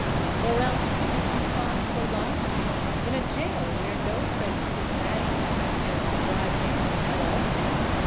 Or else to be confined for life in a gaol where no presence of madness might tend to drive him mad also!